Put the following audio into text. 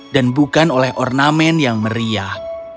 dan bukan oleh ornamen yang meriah